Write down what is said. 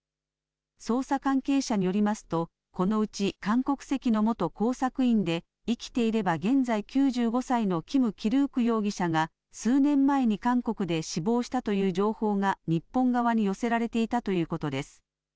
捜査関係者によりますと、このうち韓国籍の元工作員で、生きていれば現在９５歳のキム・キルウク容疑者が、数年前に韓国で死亡したという情報が日本側に寄せられていたということです。